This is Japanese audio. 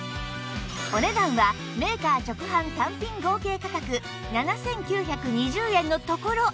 お値段はメーカー直販単品合計価格７９２０円のところ税込